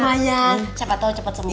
siapa tau cepet semudah ya